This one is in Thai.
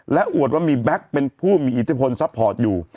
และอวดว่ามีแบ็คเป็นผู้มีอิทธิพลซัพพอร์ตอยู่